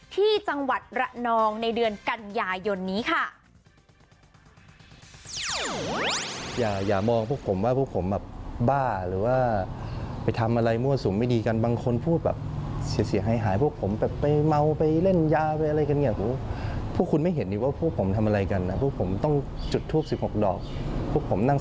ที่จังหวัดระนองในเดือนกันยายนนี้ค่ะ